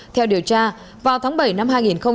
theo điều tra vào tháng bảy năm hai nghìn hai mươi ba